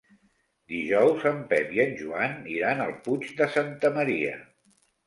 Dijous en Pep i en Joan iran al Puig de Santa Maria.